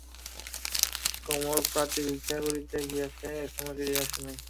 কমল প্রাতে ভিক্ষা করিতে গিয়াছে, এখনও ফিরিয়া আসে নাই।